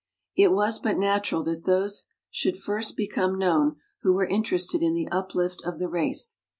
It was but natural that those should first become known who were interested in the uplift of the race.